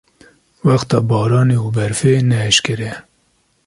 wexta baranê û berfê ne eşkereye.